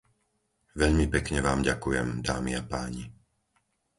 Veľmi pekne vám ďakujem, dámy a páni.